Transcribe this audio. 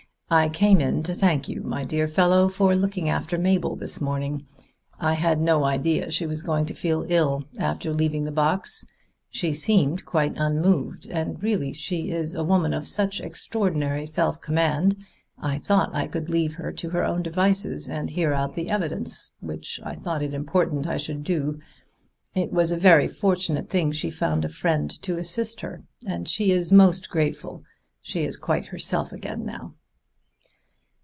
"I came in to thank you, my dear fellow, for looking after Mabel this morning. I had no idea she was going to feel ill after leaving the box; she seemed quite unmoved, and really she is a woman of such extraordinary self command, I thought I could leave her to her own devices and hear out the evidence, which I thought it important I should do. It was a very fortunate thing she found a friend to assist her, and she is most grateful. She is quite herself again now."